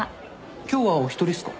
今日はお一人っすか？